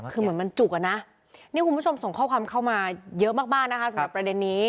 คือเหมือนมันจุกอะนะนี่คุณผู้ชมส่งข้อความเข้ามาเยอะมากนะคะสำหรับประเด็นนี้